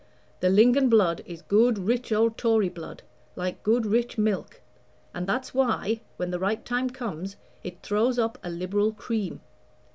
The Lingon blood is good, rich old Tory blood like good rich milk and that's why, when the right time comes, it throws up a liberal cream.